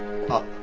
あっ。